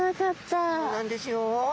そうなんですよ。